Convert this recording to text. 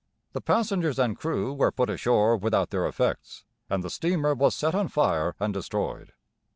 The passengers and crew were put ashore without their effects, and the steamer was set on fire and destroyed.